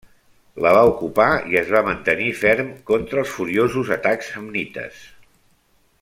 La va ocupar i es va mantenir ferm contra els furiosos atacs samnites.